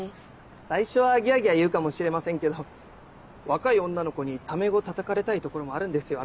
最初はギャギャ言うかもしれませんけど若い女の子にタメ語たたかれたいところもあるんですよ